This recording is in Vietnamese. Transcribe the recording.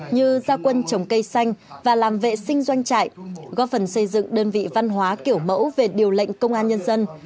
như gia quân trồng cây xanh và làm vệ sinh doanh trại góp phần xây dựng đơn vị văn hóa kiểu mẫu về điều lệnh công an nhân dân